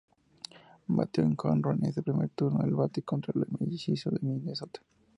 Bateó un jonrón en su primer turno al bate contra los Mellizos de Minnesota.